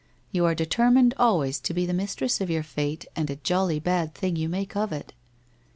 You are determined always to be the mistress of your fate and a jolly bad thing you make of it